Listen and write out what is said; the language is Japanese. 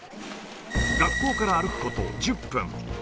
学校から歩くこと１０分。